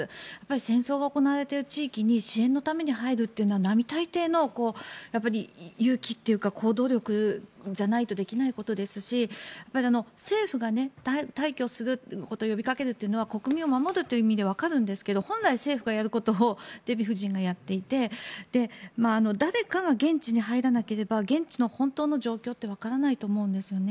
戦争が行われている地域に支援のために入るのは並大抵の勇気というか行動力ではできないことですし、政府が退去することを呼びかけるというのは国民を守るという意味ではわかるんですが本来、政府がやることをデヴィ夫人がやっていて誰かが現地に入らなければ現地の本当の状況ってわからないと思うんですよね。